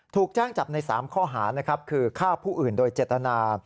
ถูกจ้างจับใน๓ข้อหาคือฆ่าผู้อื่นโดยเจตนา